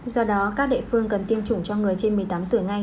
do đó các địa phương cần tiêm chủng cho người trên một mươi tám tuổi ngay